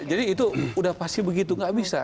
jadi itu udah pasti begitu nggak bisa